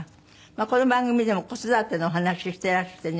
この番組でも子育てのお話してらしてね。